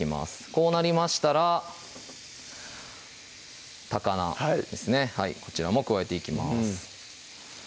こうなりましたら高菜ですねこちらも加えていきます